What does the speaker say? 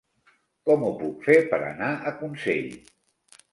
Com ho puc fer per anar a Consell?